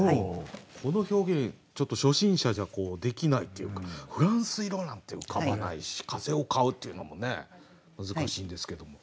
この表現ちょっと初心者じゃできないというか「仏蘭西いろ」なんて浮かばないし「風を飼ふ」っていうのもね難しいんですけども。